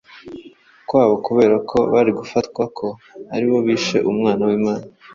kwabo kubera ko bari gufatwa ko ari bo bishe Umwana w’Imana.